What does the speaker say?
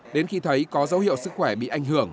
đến khi thấy có dấu hiệu sức khỏe bị ảnh hưởng